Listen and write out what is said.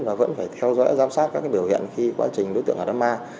và vẫn phải theo dõi giám sát các biểu hiện khi quá trình đối tượng ở đám ma